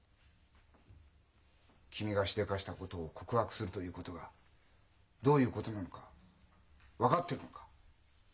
君がしでかしたことを告白するということがどういうことなのか分かってるのか？